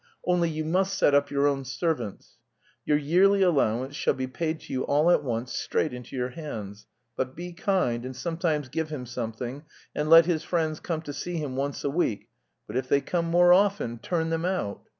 Only you must set up your own servants. Your yearly allowance shall be paid to you all at once straight into your hands. But be kind, and sometimes give him something, and let his friends come to see him once a week, but if they come more often, turn them out.